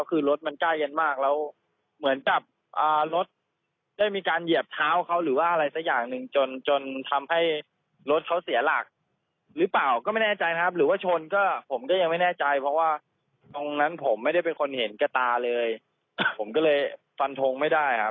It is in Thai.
การเหยียบเท้าเขาหรือว่าอะไรสักอย่างหนึ่งจนจนทำให้รถเขาเสียหลักหรือเปล่าก็ไม่แน่ใจครับหรือว่าชนก็ผมก็ยังไม่แน่ใจเพราะว่าตรงนั้นผมไม่ได้เป็นคนเห็นกระตาเลยผมก็เลยฟันทงไม่ได้ครับ